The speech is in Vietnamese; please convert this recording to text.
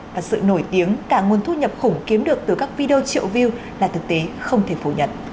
và sự nổi tiếng cả nguồn thu nhập khủng kiếm được từ các video triệu view là thực tế không thể phủ nhận